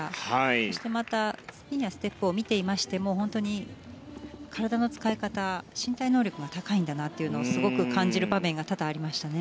そしてまた、スピンやステップを見ていましても本当に体の使い方、身体能力が高いんだなというのをすごく感じる場面が多々ありましたね。